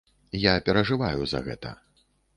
Я перажываю за гэта.